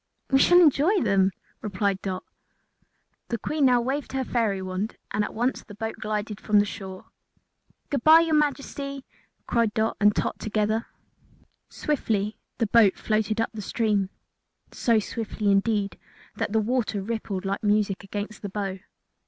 "We shall enjoy them," replied Dot. The Queen now waved her fairy wand and at once the boat glided from the shore. "Good bye, your Majesty!" cried Dot and Tot together. Swiftly the boat floated up the stream so swiftly, indeed, that the water rippled like music against the bow.